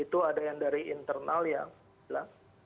itu ada yang dari internal ya mbak ila